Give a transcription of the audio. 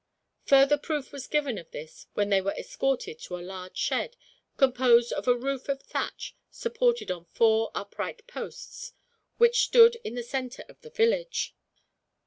Further proof was given of this when they were escorted to a large shed, composed of a roof of thatch supported on four upright posts, which stood in the center of the village.